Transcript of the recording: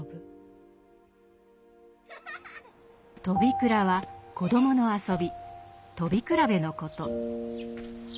「とびくら」は子どもの遊びとびくらべのこと。